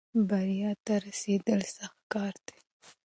بریا ته رسېدل سخت کار دی.